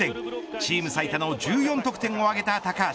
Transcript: チーム最多の１４得点を挙げた高橋。